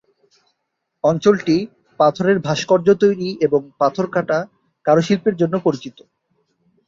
অঞ্চলটি পাথরের ভাস্কর্য তৈরি এবং পাথর কাটা কারুশিল্পের জন্য পরিচিত।